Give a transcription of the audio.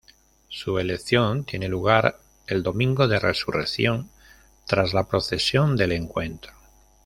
Su elección tiene lugar el Domingo de Resurrección, tras la Procesión del Encuentro.